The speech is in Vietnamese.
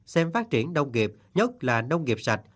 xem phát triển nông nghiệp nhất là nông nghiệp sạch